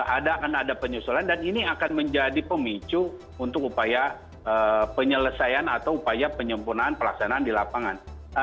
ada akan ada penyusulan dan ini akan menjadi pemicu untuk upaya penyelesaian atau upaya penyempurnaan pelaksanaan di lapangan